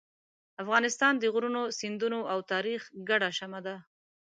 افغانستان د غرونو، سیندونو او تاریخ ګډه شمع ده.